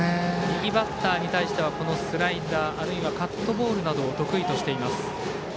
右バッターに対してはスライダー、あるいはカットボールなどを得意としています。